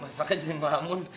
maaf mas raka jadi melamun